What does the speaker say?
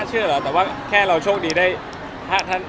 เหรอแต่ว่าแค่เราโชคดีแล้ว